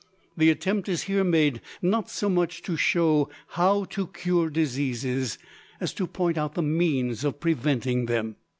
The attempt is here made not so much to show how to cure diseases as to point out the means of preventing them.